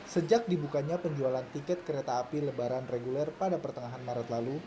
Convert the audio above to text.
sejak dibukanya penjualan tiket kereta api lebaran reguler pada pertengahan maret lalu